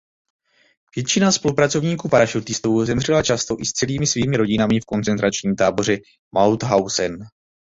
Většina spolupracovníků parašutistů zemřela často i s celými svými rodinami v koncentračním táboře Mauthausen.